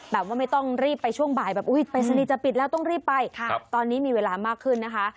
ไม่ต้องรีบไปช่วงบ่ายแบบอุ้ยปริศนีย์จะปิดแล้วต้องรีบไปตอนนี้มีเวลามากขึ้นนะคะ